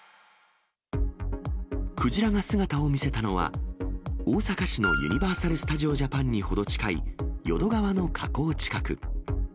クジラが姿を見せたのは、大阪市のユニバーサル・スタジオ・ジャパンに程近い、淀川の河口近く。